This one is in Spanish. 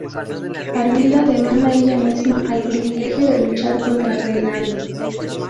Armida demanda ella misma el privilegio de luchar contra Reinaldo.